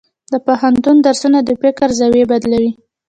د پوهنتون درسونه د فکر زاویې بدلوي.